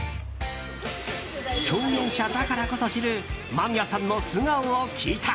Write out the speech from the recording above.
共演者だからこそ知る間宮さんの素顔を聞いた。